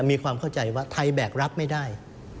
มีความเข้าใจว่าไทยแบกรับไม่ได้